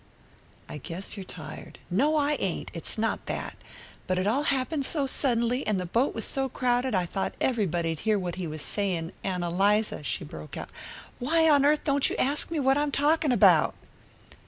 "I guess you're tired." "No, I ain't. It's not that. But it all happened so suddenly, and the boat was so crowded I thought everybody'd hear what he was saying. Ann Eliza," she broke out, "why on earth don't you ask me what I'm talking about?"